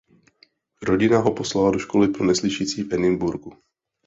Rodina ho poslala do školy pro neslyšící v Edinburghu.